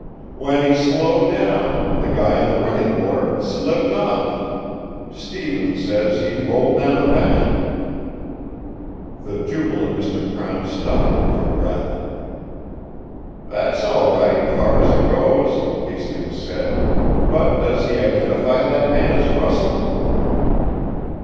"When he slowed down, the guy on the running board slipped off. Stevens says he rolled down a bank." The jubilant Mr. Crown stopped, for breath. "That's all right, far as it goes," Hastings said; "but does he identify that man as Russell?"